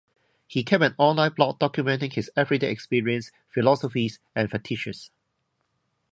He kept an online blog documenting his everyday experience, philosophies and fetishes.